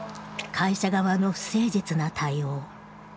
会社側の不誠実な対応。